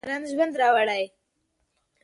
باران ژوند راوړي.